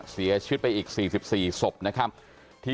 เสียชีวิตไปอีก๔๔ศพนะครับที่